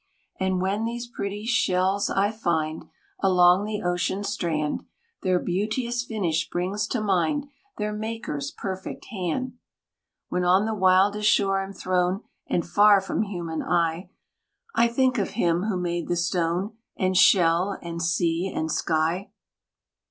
"And when these pretty shells I find, Along the ocean strand, Their beauteous finish brings to mind Their Maker's perfect hand. "When on the wildest shore I'm thrown And far from human eye, I think of him who made the stone, And shell, and sea, and sky.